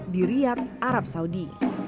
di riyad arab saudi